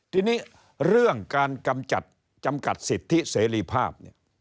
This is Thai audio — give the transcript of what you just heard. ทีนี้เรื่องการกำจัดจำกัดสิทธิเสรีภาพเนี่ย